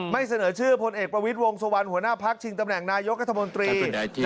เสนอชื่อพลเอกประวิทย์วงสุวรรณหัวหน้าพักชิงตำแหน่งนายกรัฐมนตรี